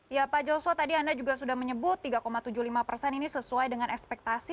ya pak joshua tadi anda juga sudah menyebut tiga tujuh puluh lima persen ini sesuai dengan ekspektasi